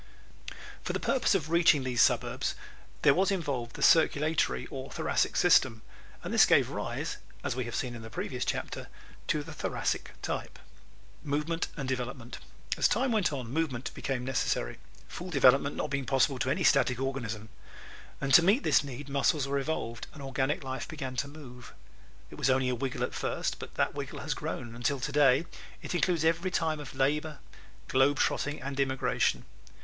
For the purpose of reaching these suburbs there was involved the circulatory or Thoracic system, and this gave rise, as we have seen in the previous chapter, to the Thoracic type. Movement and Development ¶ As time went on movement became necessary, full development not being possible to any static organism. To meet this need muscles were evolved, and organic life began to move. It was only a wiggle at first, but that wiggle has grown till today it includes every kind of labor, globe trotting and immigration.